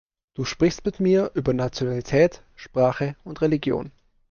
Du sprichst mit mir über Nationalität, Sprache und Religion.